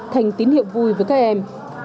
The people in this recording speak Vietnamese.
thành tín hiệu vui với các em